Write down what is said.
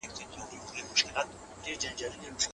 هغه ته ئې ډوډۍ چمتو کړه.